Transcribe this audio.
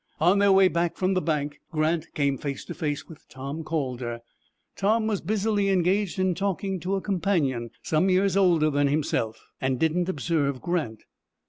On their way back from the bank, Grant came face to face with Tom Calder. Tom was busily engaged in talking to a companion, some years older than himself, and didn't observe Grant.